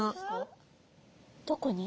どこに？